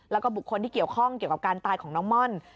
แล้วก็บุคคลที่เกี่ยวข้องเกี่ยวกับการตายของน้องม่อน